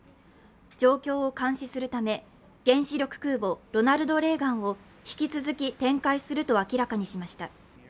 状況を監視するため、原子力空母「ロナルド・レーガン」を引き続き展開すると明らかにしました。